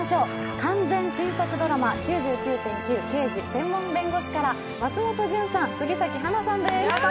「完全新作ドラマ９９．９−刑事専門弁護士−」から松本潤さん、杉咲花さんです。